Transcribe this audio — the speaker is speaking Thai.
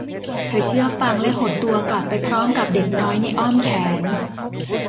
เธอเชื่อฟังและหดตตัวกลับไปพร้อมกับเด็กน้อยในอ้อมแขน